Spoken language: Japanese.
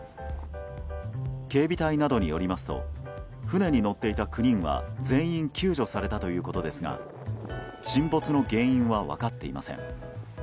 警備隊などによりますと船に乗っていた９人は全員救助されたということですが沈没の原因は分かっていません。